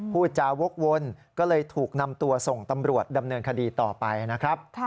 พูดจาวกวนก็เลยถูกนำตัวส่งตำรวจดำเนินคดีต่อไปนะครับ